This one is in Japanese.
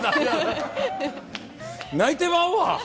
泣いてまうわ！